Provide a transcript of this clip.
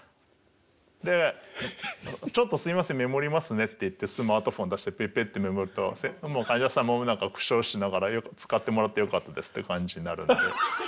で「ちょっとすみませんメモりますね」って言ってスマートフォン出してペッペッてメモるともう患者さんも苦笑しながら使ってもらってよかったですって感じになるんで。